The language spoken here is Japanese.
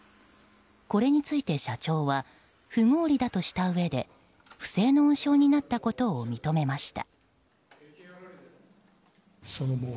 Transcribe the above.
これについて、社長は不合理だとしたうえで不正の温床になったことを認めました。